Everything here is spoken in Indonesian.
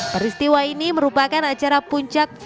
peristiwa ini merupakan acara puncak